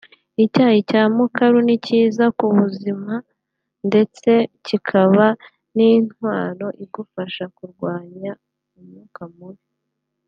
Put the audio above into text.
Icyayi cya mukaru ni cyiza ku buzima ndetse cyikaba n’intwaro igufasha kurwanya umwuka mubi